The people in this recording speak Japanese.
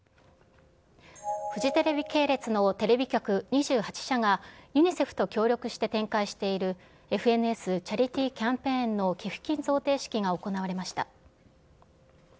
フジテレビ系列のテレビ局２８社が、ユニセフと協力して展開しているＦＮＳチャリティーキャンペーンの寄付金贈呈式が行われました。